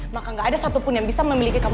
maka gak ada satupun yang bisa memiliki kemampuan